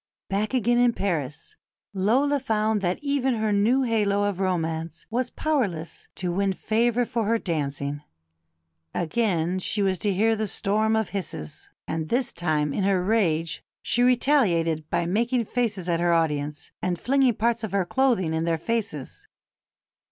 Back again in Paris, Lola found that even her new halo of romance was powerless to win favour for her dancing. Again she was to hear the storm of hisses; and this time in her rage "she retaliated by making faces at her audience," and flinging parts of her clothing in their faces.